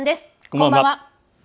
こんばんは。